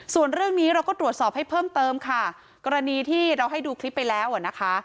ส่วนเรื่องนี้เราก็ตรวจสอบให้เพิ่มเติมค่ะกรณีที่เราให้ดูคลิปไปแล้วอ่ะนะคะ